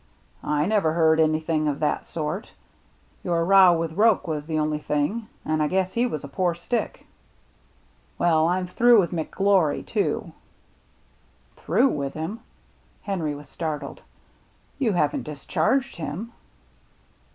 " I never heard anything of that sort. Your row with Roche was the only thing, and I guess he was a poor stick." ^" Well, I'm through with McGlory, too." " Through with him ?" Henry was startled. " You haven't discharged him